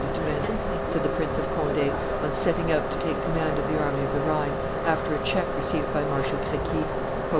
de Turenne," said the Prince of Conde, on setting out to take command of the army of the Rhine, after a check received by Marshal Crequi.